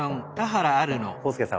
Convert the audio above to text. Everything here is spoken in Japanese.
浩介さん